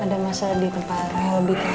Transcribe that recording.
ada masa di tempatnya lebih keras ya